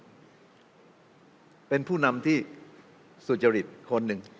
ประยุทธ์เป็นผู้นำที่สุจริตคนหนึ่ง